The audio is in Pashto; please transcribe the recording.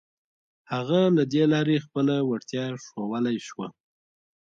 هغه له دې لارې خپله وړتيا ښوولای شوه.